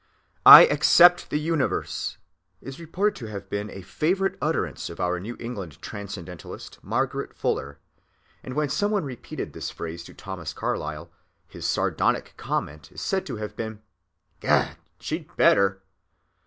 ‐‐‐‐‐‐‐‐‐‐‐‐‐‐‐‐‐‐‐‐‐‐‐‐‐‐‐‐‐‐‐‐‐‐‐‐‐ "I accept the universe" is reported to have been a favorite utterance of our New England transcendentalist, Margaret Fuller; and when some one repeated this phrase to Thomas Carlyle, his sardonic comment is said to have been: "Gad! she'd better!"